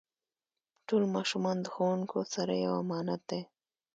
ټول ماشومان د ښوونکو سره یو امانت دی.